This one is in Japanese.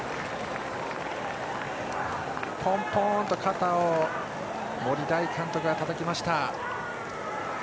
ポンポンと肩を森大監督がたたきました。